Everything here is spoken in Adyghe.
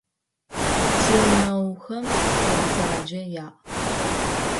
Тигъунэгъухэм хьэ бзэджэ яӏ.